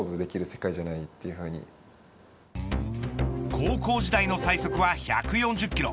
高校時代の最速は１４０キロ。